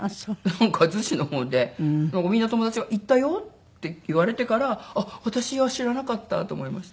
なんか子の方でみんな友達が「行ったよ」って言われてから私は知らなかったと思いました。